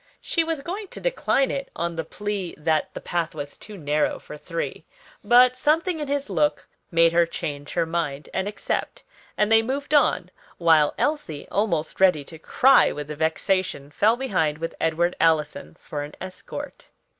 She was going to decline it on the plea that the path was too narrow for three, but something in his look made her change her mind and accept; and they moved on, while Elsie, almost ready to cry with vexation, fell behind with Edward Allison for an escort.